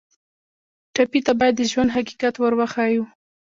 ټپي ته باید د ژوند حقیقت ور وښیو.